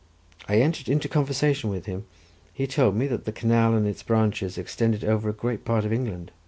I entered into conversation with him. He told me that the canal and its branches extended over a great part of England.